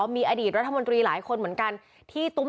มีอดีตรัฐมนตรีหลายคนเหมือนกันที่ตุ้ม